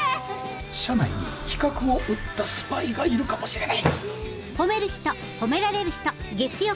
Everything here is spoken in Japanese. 社内に企画を売ったスパイがいるかもしれない。